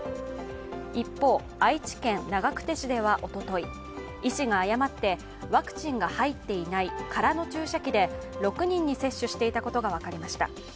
一方、愛知県長久手市では、おととい、医師が誤ってワクチンが入っていない空の注射器で６人に接種していたということが分かりました。